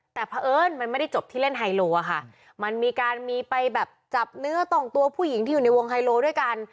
แต่เพราะเอิญมันไม่ได้จบที่เล่นไฮโลอะค่ะมันมีการมีไปแบบจับเนื้อต้องตัวผู้หญิงที่อยู่ในวงไฮโลด้วยกัน